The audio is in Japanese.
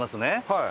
はい。